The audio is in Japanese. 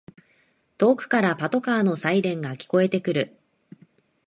遠くからパトカーのサイレンが聞こえてくる